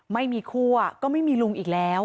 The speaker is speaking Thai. ไม่มีคั่วก็ไม่มีลุงอีกแล้ว